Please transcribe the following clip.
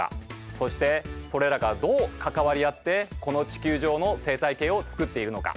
そしてそれらがどう関わり合ってこの地球上の生態系を作っているのか。